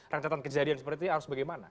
rentetan kejadian seperti itu harus bagaimana